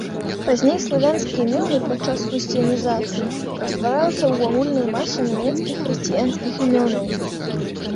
Пазней славянскія імёны, падчас хрысціянізацыі, раствараюцца ў агульнай масе нямецкіх хрысціянскіх імёнаў.